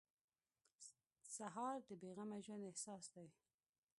سهار د بې غمه ژوند احساس دی.